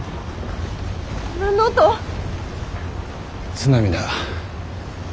津波だ。